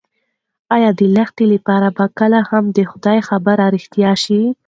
ایا د لښتې لپاره به کله هم د خدای خبره رښتیا شي؟